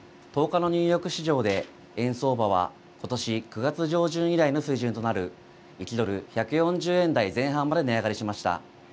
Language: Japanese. １０日のニューヨーク市場で円相場はことし９月上旬以来の水準となる１ドル１４０円台前半まで値上がりしました。